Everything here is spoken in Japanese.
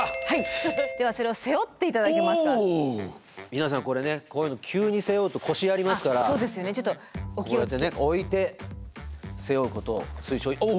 皆さんこれねこういうの急に背負うと腰やりますからこうやってね置いて背負うことを推奨おおっ！